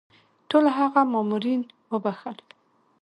ټول هغه مامورین وبخښل.